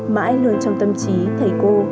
mãi luôn trong tâm trí thầy cô